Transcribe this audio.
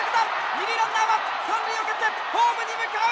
二塁ランナーは三塁を蹴ってホームに向かう！